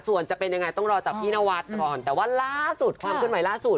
ส่วนจะเป็นยังไงต้องรอจับพี่นวัดก่อนแต่ว่าล่าสุดความเคลื่อนไหวล่าสุด